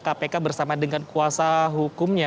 kpk bersama dengan kuasa hukumnya